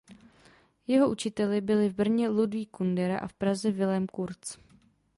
Jeho učiteli byli v Brně Ludvík Kundera a v Praze Vilém Kurz.